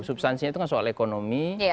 substansinya itu kan soal ekonomi